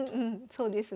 そうですね。